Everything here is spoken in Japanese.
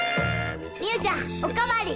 みよちゃんおかわり。